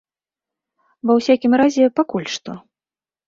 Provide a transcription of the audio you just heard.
Ва ўсякім разе пакуль што.